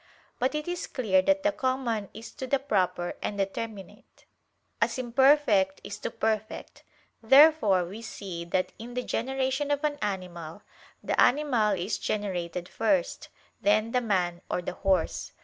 But it is clear that the common is to the proper and determinate, as imperfect is to perfect: therefore we see that in the generation of an animal, the animal is generated first, then the man or the horse.